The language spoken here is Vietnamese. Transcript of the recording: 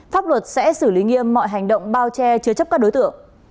pháp luật sẽ xử lý nghiêm mọi hành động bao che chứa chấp các đối tượng